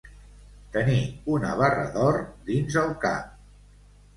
Tenir una barra d'or dins el cap.